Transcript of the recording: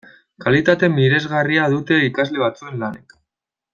Kalitate miresgarria dute ikasle batzuen lanak.